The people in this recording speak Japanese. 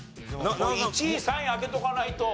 １位３位開けとかないと。